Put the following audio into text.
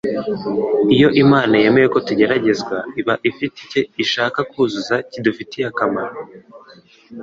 Iyo Imana yemeye ko tugeragezwa, iba ifite icyo ishaka kuzuza kidufitiye akamaro